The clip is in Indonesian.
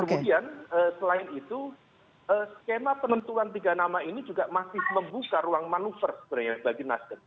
kemudian selain itu skema penentuan tiga nama ini juga masih membuka ruang manuver sebenarnya bagi nasdem